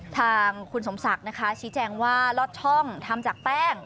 ทางคุณสมศักดิ์นะคะชี้แจงว่าลอดช่องทำจากแป้ง